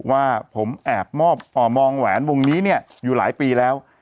ว่าผมมองแหวนวงนี้อยู่หลายปีแล้ว